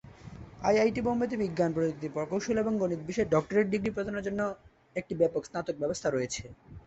IIT বোম্বেতে বিজ্ঞান, প্রযুক্তি, প্রকৌশল এবং গণিত বিষয়ে ডক্টরেট ডিগ্রী প্রদানের জন্য একটি ব্যাপক স্নাতক ব্যবস্থা রয়েছে।